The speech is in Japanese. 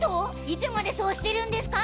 いつまでそうしてるんですか！